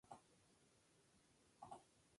Su corte atrajo a escritores, artistas, y eruditos.